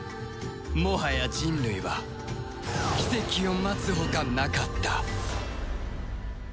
もはや人類は奇跡を待つほかなかったとさ